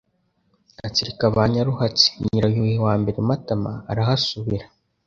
Atsirika ba Nyaruhatsi. NYIRAYUHI I MATAMA Arahasubira